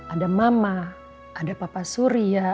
ada mama ada papa surya